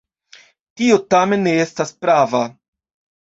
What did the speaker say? Tio tamen ne estas prava.